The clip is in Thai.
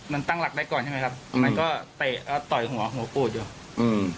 มันตั้งหลักได้ก่อนใช่ไหมครับมันก็เตะแล้วต่อยหัวหัวปูดอยู่อืม